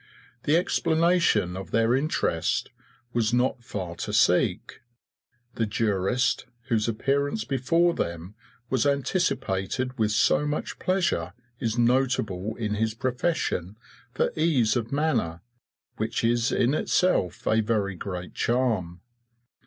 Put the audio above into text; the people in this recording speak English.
The explanation of their interest was not far to seek. The jurist whose appearance before them was anticipated with so much pleasure is notable in his profession for ease of manner, which is in itself a very great charm.